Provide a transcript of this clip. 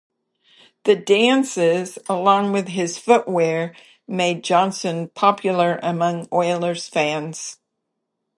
The dances, along with his footwear, made Johnson popular among Oilers fans.